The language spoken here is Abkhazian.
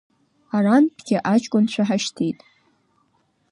Арантәгьы аҷкәынцәа ҳашьҭит.